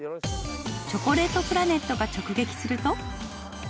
チョコレートプラネットが直撃すると。